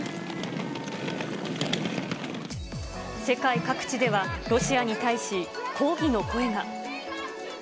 世界各地ではロシアに対し、抗議の声が。